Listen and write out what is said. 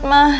oh nggak ya